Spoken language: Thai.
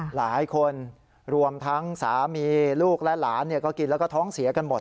หลายคนรวมทั้งสามีลูกและหลานก็กินแล้วก็ท้องเสียกันหมด